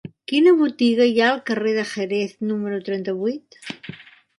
Quina botiga hi ha al carrer de Jerez número trenta-vuit?